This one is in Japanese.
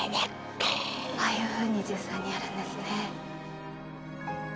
ああいうふうに実際にやるんですね。